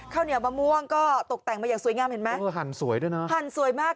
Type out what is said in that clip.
ข้าวเหนียวมะม่วงก็ตกแต่งมาอย่างสวยงามเห็นไหมเออหั่นสวยด้วยนะหั่นสวยมาก